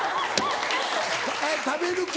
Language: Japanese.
食べる「け」。